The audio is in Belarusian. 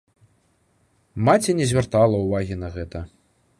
Маці не звяртала ўвагі на гэта.